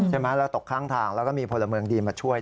ใช่ไหมแล้วตกข้างทางแล้วก็มีพลเมืองดีมาช่วย